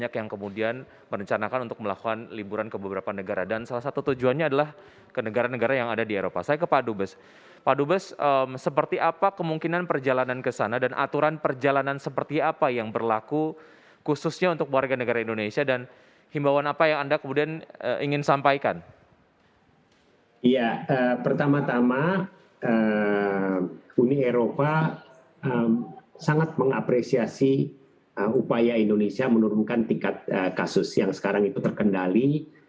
ya pertama tama uni eropa sangat mengapresiasi upaya indonesia menurunkan tingkat kasus yang sekarang itu terkendali